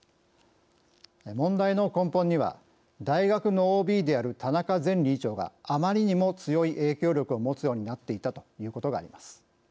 問題の根本には大学のＯＢである田中前理事長があまりにも強い影響力を持つようになっていたということがあります。